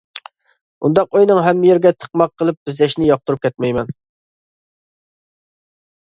ئۇنداق ئۆينىڭ ھەممە يېرىگە تىقماق قىلىپ بېزەشنى ياقتۇرۇپ كەتمەيمەن.